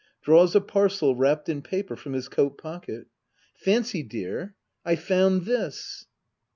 [Draws a parcel, wrapped in paper, from his coat pocket,] Fancy, dear — I found this.